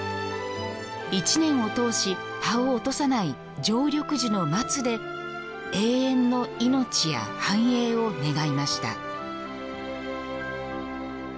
１年を通し葉を落とさない常緑樹の松で永遠の命や繁栄を願いました。